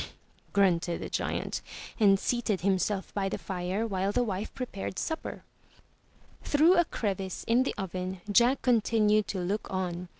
*' ''Humph!" grunted the giant and seated himself 379 MY BOOK HOUSE by the fire while the wife prepared supper. Through a crevice in the oven Jack continued to look on.